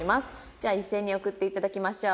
じゃあ一斉に送っていただきましょう。